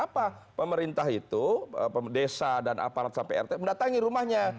apa pemerintah itu desa dan aparat cprt mendatangi rumahnya